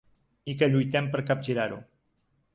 I que lluitem per capgirar-ho.